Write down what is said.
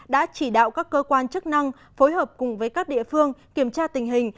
đã chỉ đạo các cơ quan chức năng phối hợp cùng với các địa phương kiểm tra tình hình